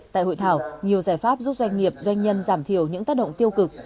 tại hội thảo nhiều giải pháp giúp doanh nghiệp doanh nhân giảm thiểu những tác động tiêu cực